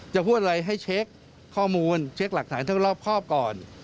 จะพูดอะไรให้เช็คข้อมูลเช็คหลักฐานทั้งรอบครอบก่อน